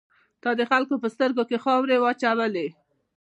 تا د خلکو په سترګو کې خاورې واچولې.